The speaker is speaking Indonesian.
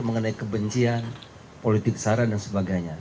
mengenai kebencian politik saran dan sebagainya